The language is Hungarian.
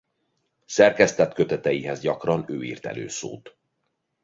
Szerkesztett köteteihez gyakran ő írt előszót.